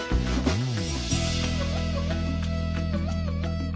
うん。